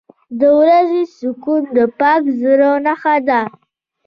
• د ورځې سکون د پاک زړه نښه ده.